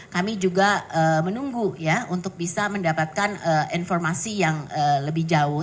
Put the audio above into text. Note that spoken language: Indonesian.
kami juga menunggu ya untuk bisa mendapatkan informasi yang lebih jauh